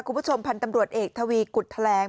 คุณผู้ชมพันธ์ตำรวจเอกทวีกุฎแถลง